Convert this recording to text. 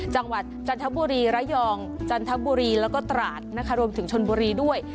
จันทบุรีระยองจันทบุรีแล้วก็ตราดนะคะรวมถึงชนบุรีด้วย